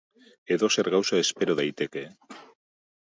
Edozer gauza espero daiteke!